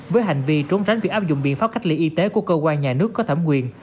với hành vi trốn tránh việc áp dụng biện pháp cách ly y tế của cơ quan nhà nước có thẩm quyền